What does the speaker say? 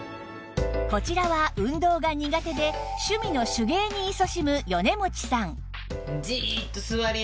こちらは運動が苦手で趣味の手芸にいそしむ米持さん